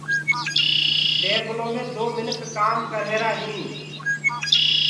ٽيبلو مي دو منک ڪآم ڪرريهرآ هين